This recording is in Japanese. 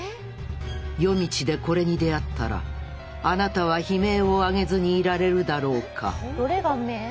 夜道でこれに出会ったらあなたは悲鳴を上げずにいられるだろうかどれが目？